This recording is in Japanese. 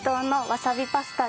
わさびパスタ？